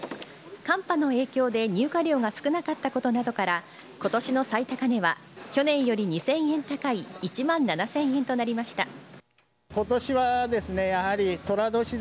寒波の影響で入荷量が少なかったことなどから、ことしの最高値は、去年より２０００円高い１万７０００円となりました。